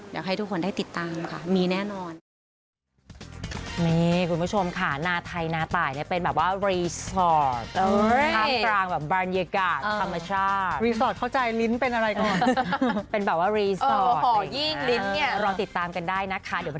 อยากให้ทุกคนได้ติดตามค่ะมีแน่นอน